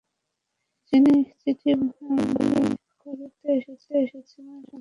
যিনি চিঠি বিলি করতে এসেছিলেন, সন্দেহভাজন হিসেবে তাঁর ছবি সংগ্রহ করা হয়েছে।